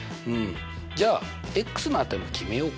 じゃあの値も決めようか。